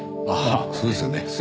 ああそうですよね。